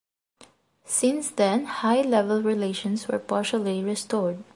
Since then, high-level relations were partially restored.